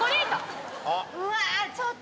うわっ！